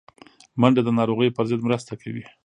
منډه د ناروغیو پر ضد مرسته کوي